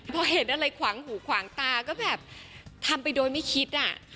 พอเห็นอะไรขวางหูขวางตาก็แบบทำไปโดยไม่คิดอ่ะ